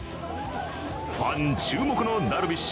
ファン注目のダルビッシュ